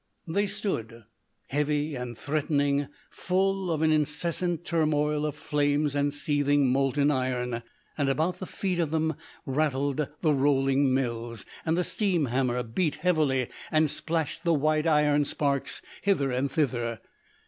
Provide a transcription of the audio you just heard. They stood heavy and threatening, full of an incessant turmoil of flames and seething molten iron, and about the feet of them rattled the rolling mills, and the steam hammer beat heavily and splashed the white iron sparks hither and thither.